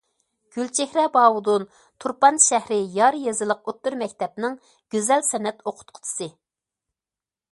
گۈلچېھرە باۋۇدۇن تۇرپان شەھىرى يار يېزىلىق ئوتتۇرا مەكتەپنىڭ گۈزەل سەنئەت ئوقۇتقۇچىسى.